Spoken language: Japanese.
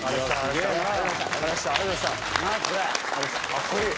かっこいい。